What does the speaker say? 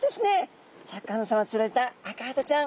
シャーク香音さまが釣られたアカハタちゃん。